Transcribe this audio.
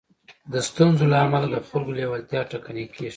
د ستونزو له امله د خلکو لېوالتيا ټکنۍ کېږي.